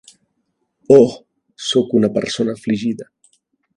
Oh, sóc una persona afligida.